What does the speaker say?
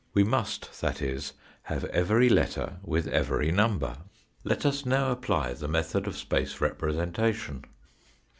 We must, that is, have every letter with every number. Let us now apply the method of space represention.